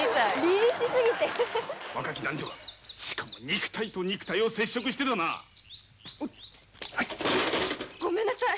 若き男女がしかも肉体と肉体を接触してだなごめんなさい